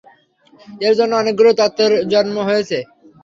এর জন্য অনেকগুলো তত্ত্বের জন্ম হয়েছে।